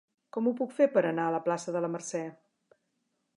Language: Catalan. Com ho puc fer per anar a la plaça de la Mercè?